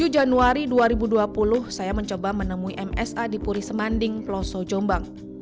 tujuh januari dua ribu dua puluh saya mencoba menemui msa di puri semanding peloso jombang